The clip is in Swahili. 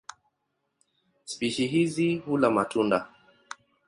Spishi hizi hula matunda.